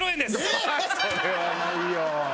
それはないよ。